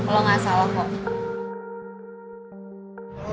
lo gak salah kok